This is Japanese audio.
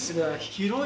広い。